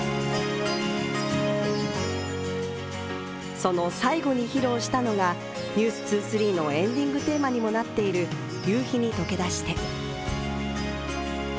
その最後に披露したのが「ｎｅｗｓ２３」のエンディングテーマにもなっている「夕陽に溶け出して」。